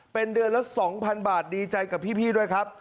เป็นเดือนละ๒๐๐๐บาทดีใจกับพี่ด้วยครับ